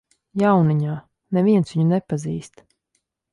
Jauniņā, neviens viņu nepazīst.